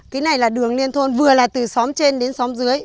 cái này là đường liên thôn vừa là từ xóm trên đến xóm dưới